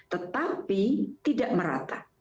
tetapi tidak merata